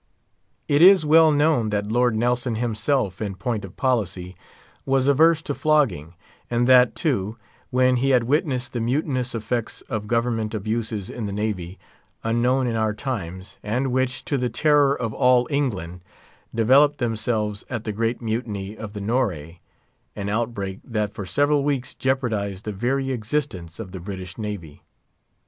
It is well known that Lord Nelson himself, in point of policy, was averse to flogging; and that, too, when he had witnessed the mutinous effects of government abuses in the navy—unknown in our times—and which, to the terror of all England, developed themselves at the great mutiny of the Nore: an outbreak that for several weeks jeopardised the very existence of the British navy.